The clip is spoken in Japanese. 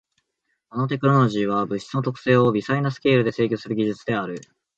ナノテクノロジーは物質の特性を微細なスケールで制御する技術である。